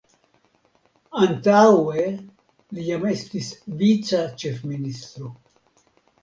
Antaŭe li jam estis vica ĉefministro.